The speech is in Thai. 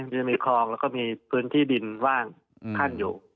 จะมีคลองแล้วก็มีพื้นที่ดินว่างท่านอยู่